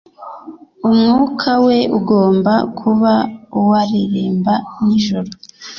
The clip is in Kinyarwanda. umwuka we ugomba kuba wareremba nijoro